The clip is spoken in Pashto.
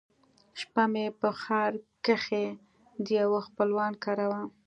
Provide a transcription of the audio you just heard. شپه مې په ښار کښې د يوه خپلوان کره وه.